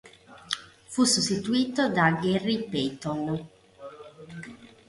Fu sostituito da Gary Payton.